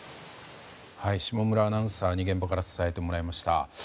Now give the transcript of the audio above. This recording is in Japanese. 下村アナウンサーに現場から伝えてもらいました。